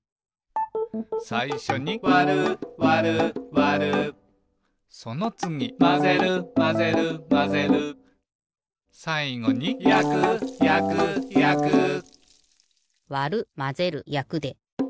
さいしょに「わるわるわる」そのつぎ「まぜるまぜるまぜる」さいごに「やくやくやく」わるまぜるやくで。